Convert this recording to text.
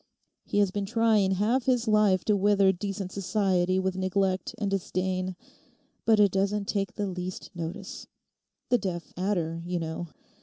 He has been trying half his life to wither decent society with neglect and disdain—but it doesn't take the least notice. The deaf adder, you know.